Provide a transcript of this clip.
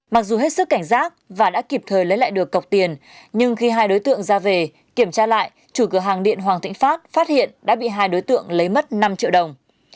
mặc dù hết sức cảnh giác và đã kịp thời lấy lại được cọc tiền nhưng khi hai đối tượng ra về kiểm tra lại chủ cửa hàng điện hoàng thịnh phát phát hiện đã bị hai đối tượng lấy mất năm triệu đồng